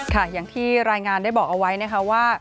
อย่างที่รายงานได้บอกเอาไว้นะคะว่า